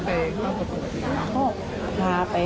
แล้วไปคุณแม่ยังไงถึงได้ไปเผาพรถผมกรศีล